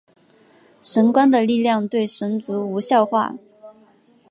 神官的力量对神族无效化。